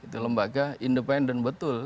itu lembaga independen betul